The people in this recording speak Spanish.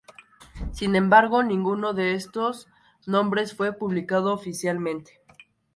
Sin embargo, ninguno de estos nombres fue publicado oficialmente.